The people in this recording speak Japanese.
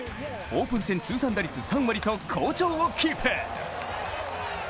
オープン戦通算打率３割と好調をキープ。